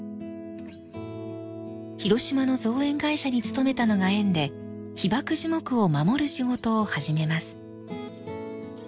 広島の造園会社に勤めたのが縁で被爆樹木を守る仕事を始めます。